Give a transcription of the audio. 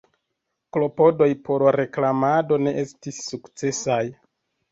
Klopodoj por reklamado ne estis sukcesaj.